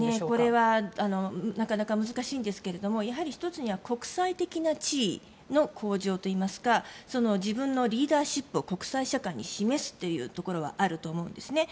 これはなかなか難しいんですがやはり１つには国際的な地位の向上といいますか自分のリーダーシップを国際社会に示すというところはあると思うんです。